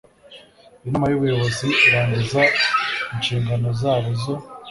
inama y ubuyobozi irangiza inshingano zayo zo